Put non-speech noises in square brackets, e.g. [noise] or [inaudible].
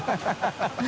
ハハハ [laughs]